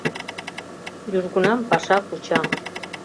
Южгунам паша куча.